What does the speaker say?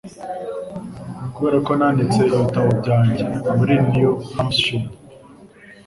Kuberako nanditse ibitabo byanjye muri New Hampshire